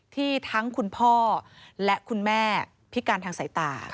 ที่ทั้งคุณพ่อและคุณแม่พิการทางสายตา